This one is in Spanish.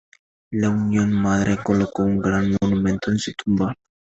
La Unión Madre colocó un gran monumento en su tumba.